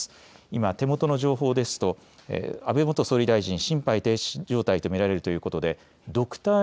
今手元の情報ですと安倍元総理大臣、心肺停止状態と見られるということでドクター